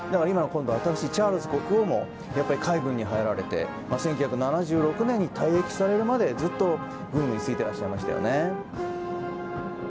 新しいチャールズ国王も海軍に入られて１９７６年に退役されるまでずっと軍務に就いていらっしゃいましたね。